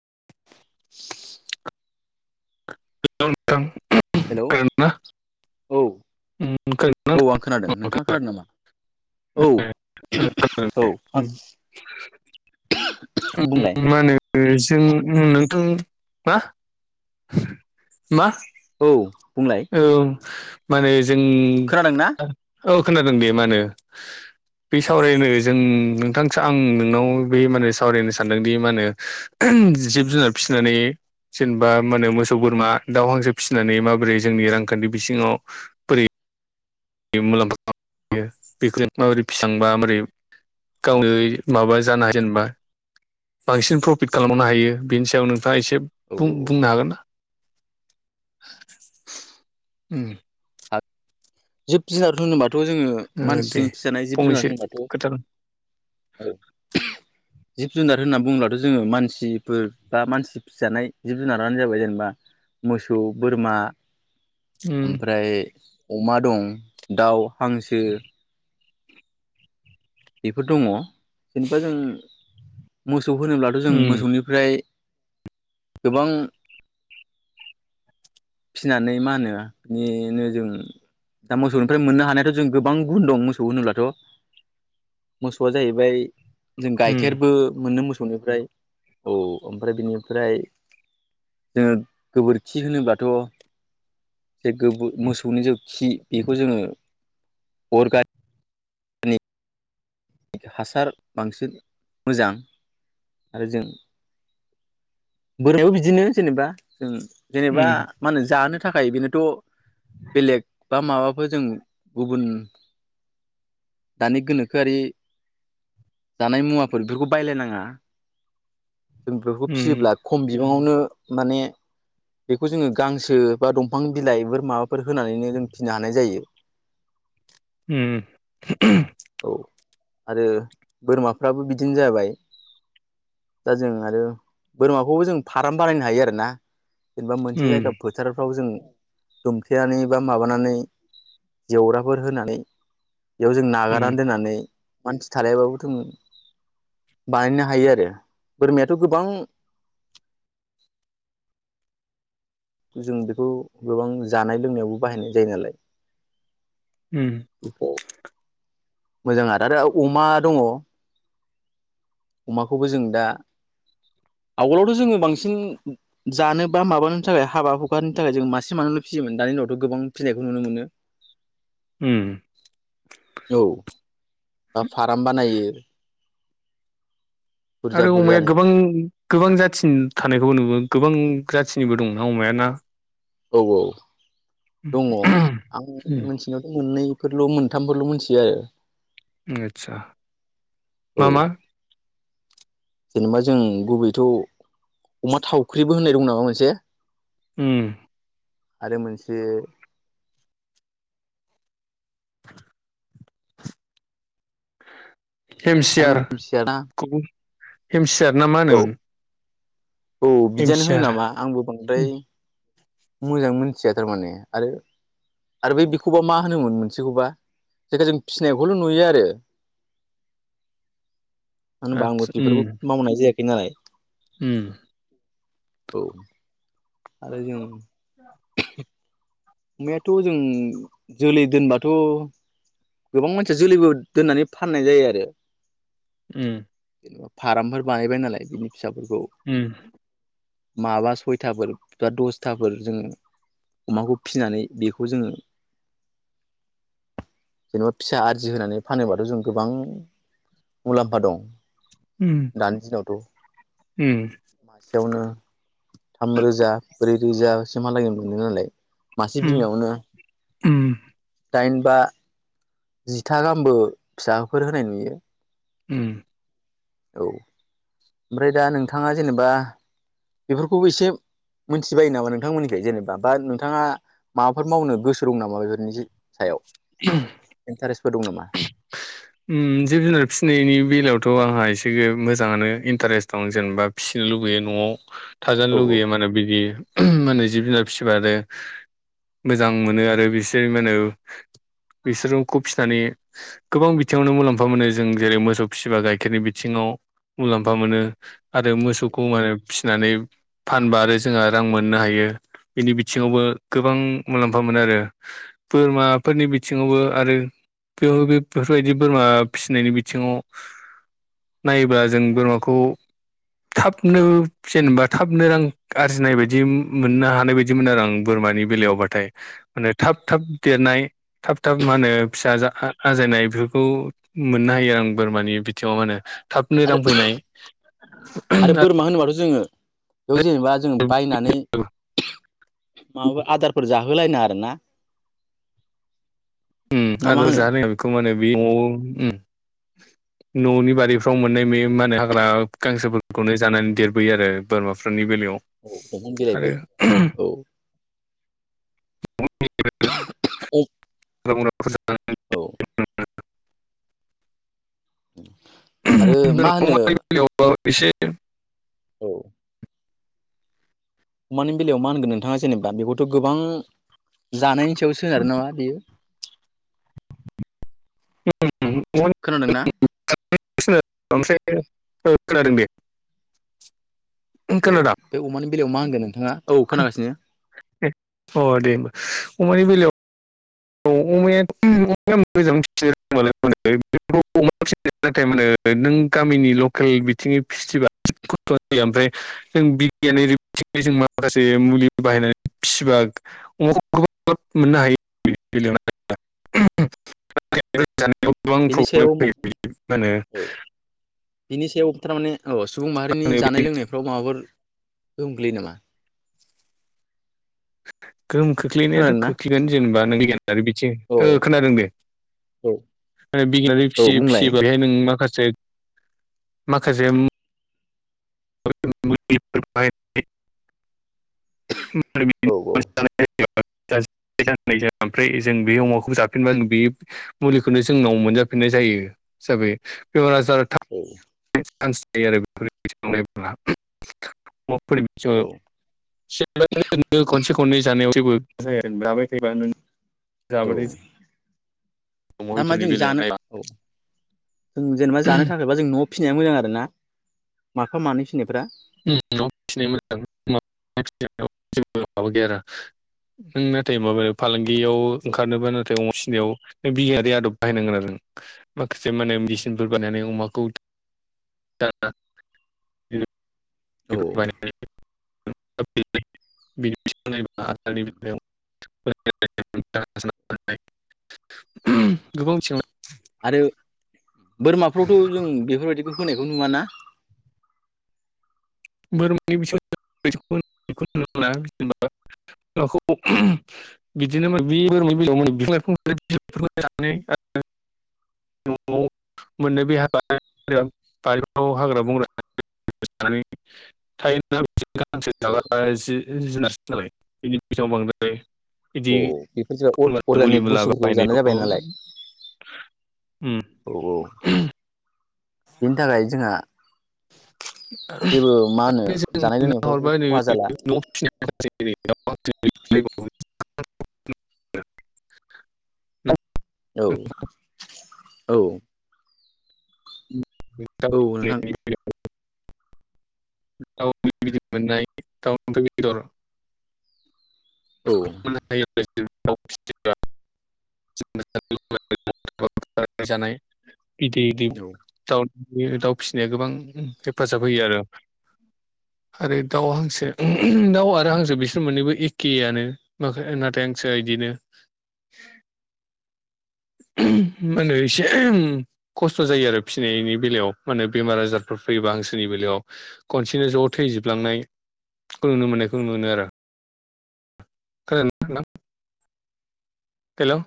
[inaudible] [unintelligible] Hello खोनादोंना औ उम खोनादोंना औ आं खोनादों नों थां नोंथां खोनादों नामा औ [unintelligible] औ आं बुंलाय मा होनो जों नोंथां मा मा औ बुंलाय औ माने जों खोनादों ना औ खोनादों दे मानो बे सावरायनागायजों नोंथांसो आं नोंनाव बै माने सावरायनो सानदोंदि मा होनो उम जिब जुनार फिसिनानै जेनेबा मा होनो मोसौ, बोरमा, दाउ, हांसो फिसिनानै माबोरै जोंनि रांखान्थि बिथिङाव बोरै बे मुलाम्फा बेखौ माबोरै बेसांबा माबोरै गावनो माबा जानाय जेनेबा बांसिन प्रफिट खालामबनो हायो बेनि सायाव नोंथाङा एसे औ बुंनो हागोन ना उम आत जिब जुनार होनोबा थ' जोङो ओ दे मानसिजों फिजानाय जिब जुनार फंनैसो होनबाथ' औ खोथा उम जिब जुनार होनना बुङोब्लाथ' जोङो मानसिफोर बा मानसि फिसिजानाय जिब जुनारानो जाबाय जेनेबा मोसौ बोरमा ओमफ्राय अमा दं दाउ हांसो बेफोर दङ जेनेबा जों मोसौ होनोब्लाथ' जों उम मोसौनिफ्राय गोबां [inaudible] फिसिनानै मा होनो निनो जों दा मोसौनिफ्राय मोननो हानायाथ' जों गोबां गुन दं मोसौ होनोब्लाथ' मोसौआ जाहैबाय जों उम गाइखेरबो मोननो मोसौ निफ्राय औ ओमफ्राय बिनिफ्राय जोङो गोबोरखि होनोबाथ' जे गोबो मोसौनि जौ खि बेखौ जोङो अर गाय हासार बांसिन मोजां आरो जों बोरमायावबो बिदिनो जेनेबा जेनेबा उम मा जानो था खाय बेनोथ' बेलेग बा माबाफोर जों गुबुन दानि गोनोखोआरि जानाय मुवाफोर बेफोरखौ बायलायनाङा जों बेफोरखौ उम फियोब्ला खम बिबाङावनो माने बेखौ जोङो गांसो बा दंफां बिलाइफोर माबाफोर होनानैनो जों फिनो हानाय जायो उम औ आरो बोरमाफ्राबो बिदिनो जाबाय दा जों आरो बोरमाखौबो जों फार्म बानायनो हायो आरोना जेनेबा मोनसे जायगा उम फोथारफ्राव जों दुमखेनानै माबानानै जेवराफोर होनानै बेयाव जों नागारनानै दोननानै मानसि थालायाबाबोथों बानायनो हायो आरो बोरमायाथ' गोबां जों बेखौ गोबां जानाय लोंनायावबो बाहायनाय जायो नालाय उम मोजां आरो आरो अमा दङ अमाखौबो जों दा आवगोलावथ' जोङो बांसिन जानो बा माबानो नि थाखाय हाबा हुखनि थाखाय जों मासे मानैल' फिसियोमोन दानि उनावथ' गोबां फिनायखौ नुनो मोनो उम औ बा फार्म बानायो बुरजा आरो अमाया बुरजानो गोबां गोबां जाथिनि थानायखौबो नुबो गोबां जाथिनिबो दंना अमायाना औ औ दङ आं उम मोनथिनायावथ' मोननै फोरल' मोनथामफोरल' मिथियो आरो आतसा औ मा मा जेनेबा जों गुबैथ' अमा थावख्रिबो होननाय दं नामा मोनसे उम आरो मोनसे [inaudible] आरो मिथियाना हेमसियारखौ हेमसियार ना मा औ होनोमोन औ बिदियानो होनो हेमसियार नामा आंबो बांद्राय उम मोजां मिथिया थारमाने आरो आरो बै बिखौबा मा होनोमोन मोनसेखौबा जेख जों फिसिनायखौल' नुयो आरो [inaudible] मानो होनबा आंबो आदसा उम बेफोरखौ मावनाय जायाखै नालाय उम औ आरो जों औ अमायाथ' जों जोलै दोनबाथ' गोबां मानसिया जोलैबो दोननानै फाननाय जायो आरो उम फार्मफोर बानायबाय नालाय बिनि फिसाफोरखौ उम माबा सयथाफोर बा दसथाफोर जों अमाखौ फिनानै बेखौ जोङो जेनेबा फिसा आरजि होनानै फानोबाथ' जों गोबां मुलाम्फा दं उम दानि दिनावथ' उम मासेयावनो थामरोजा ब्रै रोजासो मलाायगोन मोनदों नालाय मासे उम बिमायावनो उम दाइन बा जिथा गाहामबो फिसाफोर होनाय नुयो। उम औ ओमफ्राय दा नोंथाङा जेनेबा बेफोरखौबो एसे मोनथिबायायो नामा नोंथांमोननिखाय जेनेबा बा नोंथाङा माबाफोर मावनो गोसो दं नामा बेफोरनि सायाव औ इन्टारेस्टबो दं नामा? उ जिब-जुनार फिसिनायनि बेलायावथ' आंहा एसे मोजाङानो इन्टारेस्ट दं जेनेबा फिसिनाय लुबैयो न'आव थानो औ औ लुबैयो माने बिदि माने जिब जुनार फिसिबाय आरो मोजां मोनो आरो बिसोर मा होनो बिसोरखौ फिसिनानै गोबां बि थिङावनो मुलाम्फा मोनो जों जेरै मोसौ फिसिबा गाइखेरनि बिथिङाव मुलाम्फा मोनो आरो मोसौखौ माने फिसिनानै फानबा आरो जोंहा रां मोननो हायो बिनि बिथिङावबो गोबां मुलाम्फा आरो बोरमाफोरनि बिथिङावबो आरो बेयाव बे बेफोरबायदि बोरमा फिसिनायनि बिथिङाव नायोब्ला जों बोरमाखौ थाबनो जेनेबा थाबनो रां आरजिनाय बायदि मोननो हानाय बायदिमोन आरो आं बोरमानि औ बेलायावबाथाय माने थाब थाब देरनाय थाब थाब मा होनो फिसा आजायनाय बेफोरखौ मोननो हायो आं बोरमानि बिथिङाव मा होनो थाबनो आरो रांफैनाय आरो बोरमा होनोबाथ' जोङो बेयाव जेनेबा जोङो बायनानै मा आदारफोर जाहोलायना आरोना उम आदार जारोङिआव बेखौ माने बे न'आव उम न'नि बारिफ्राव मोननाय बे मा होनो हाग्रा गांसोफोरखौनो जानानै देरबोयो आरो बोरमाफोरनि बेलायाव औ दंफां बिलाइफोर आरो औ [inaudible] औ उम [inaudible] औ अमानि बेलायाव मा होनगोन नोंथाङा जेनेबा बेखौथ' गोबां जानायनि सोनारो नामा बियो खोनादों ना [unintelligible] ओ खोनादों दे औ बे अमानि बेलायाव मा होनगोन नोंथाङा औ [unintelligible] खोनागासिनो अ दे होमबा अमानि बेलायाव औ अमायाथ' अमाया मोजां फिसिनो‌ रोंबालाय [unintelligible] [inaudible] नाथाय माने नों गामिनि लखेल बिथिङै फिसिबा खस्थ'आ जायो ओमफाय जों बिगियान जों माखासे मुलि बाहायनानै फिसिबा [unintelligible] जानायाव गोबां बेनि प्रब्लेम सायाव फैयो मा होनो औ बिनि सायाव थारमाने औ सुबुं माहारिनि होनो बे जानाय लोंनायफ्राव माबाफोर गोहोम गोलैयो नामा? गोहोम खोख्लैनायाथ' खोनादोंना? खोख्लै गोन जेनेबा नों आरो बिथिं औ ओ खोनादों दे औ ओ बिगियानारि फिसि औ बुंलाय फिसियोब्ला बेहाय नों माखा से माखासे [unintelligible] औ औ [unintelligible] ओमफ्राय जों बे अमाखौ जाफिनबा बे मुलिखौनो जोंनाव मोन जा फिन्नाय जायो हिसाबै [unintelligible] [unintelligible] [unintelligible] [inaudible] औ खनै जानायाव जेबो जाया जाबाय थायोबा नों औ जाबाथाय अमा थारमा बेदरनि जों बेलायाव जानो नायोबा औ जों जेनेबा जानो थाखायबा जों न'आव फिनाया मोजां आरो ना माफा मानै फिनायफ्रा ओम न'आव फिनाया मोजां [unintelligible] माबा गैया नों नाथाय माबायाव फालांगियाव औ ओंखारनोबा नाथाय अमा फि नायाव नों बिगियानारि आदब बाहायनांगोन आरो माखासे माने मेचिनफोर बानायनानै अमाखौ दाना उम। औ [unintelligible] [unintelligible] आरो बोरमाफ्रावथ' जों बेफोरबायदिखौ होनायखौ नुवाना [unintelligible] [unintelligible] [unintelligible] न'आव मोननो बे हाबारि हाग्रा बंग्रा [unintelligible] [inaudible] औ [unintelligible] [unintelligible] अ बेफोर जा मुलि अर्गानिक मुला बुस्थुफोरखौ जानाय बाहायनायखौ जाबाय नालाय उम औ औ बेनि थाखाय जोंहा जेबो मा होनो [inaudible] जों जानाय नुना लोंनायफ्रावबो हरबाय नै खहा जाला न' फिसिनानैै [unintelligible] [inaudible] [unintelligible] औ औ [unintelligible] औ नोंथां [unintelligible] मोनाय [unintelligible] [unintelligible] औ [unintelligible] जानाय बिदै बिदै औ दाउ दाउ फिसिनाया गोबां हेफाजाब होयो आरो आरो दाउ हांसो दाउ आरो हांसो बिसोर मोननैबो ए खेयानो ना नाथाय हांसो इदिनो मा होनो एसे खस्थ' जायो आरो फिसिनायनि बेलायाव मानो बेमार आजारफोर फैयोबा हांसोनि बेलायाव खनसेनो ज' थैजोबलांनाय। खु नुनो मोननायखौ नु मोनो आरो खोनादोंना? हेल'।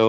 औ।